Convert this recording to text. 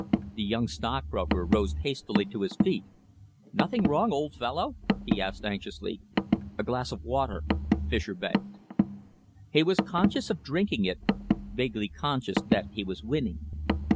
The young stockbroker rose hastily to his feet. "Anything wrong, old fellow?" he asked anxiously. "A glass of water," Fischer begged. He was conscious of drinking it, vaguely conscious that he was winning.